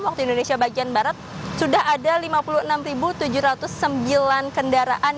waktu indonesia bagian barat sudah ada lima puluh enam tujuh ratus sembilan kendaraan